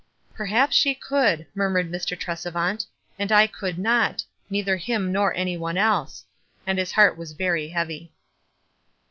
"Perhaps she could," murmured Mr. Trese vant. " And I could not — neither him nor any one else." And his heart was very heavy.